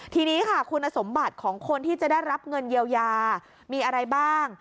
ทีนี้ค่ะคุณสมบัติของคนที่จะได้รับเงินเยียวยามีอะไรบ้าง